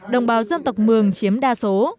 đồng bào dân tộc mường chiếm đa số